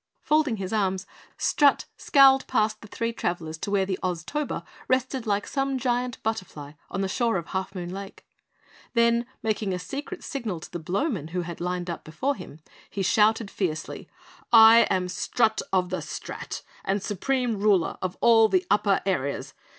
Folding his arms, Strut scowled past the three travellers to where the Oztober rested like some giant butterfly on the shore of Half Moon Lake. Then, making a secret signal to the Blowmen who had lined up before him, he shouted fiercely, "I am Strut of the Strat and Supreme Ruler of all the Upper Areas.